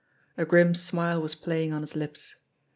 A grim smile was playing on his lips.